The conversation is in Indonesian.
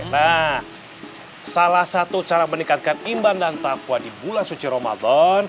nah salah satu cara meningkatkan imban dan takwa di bulan suci ramadan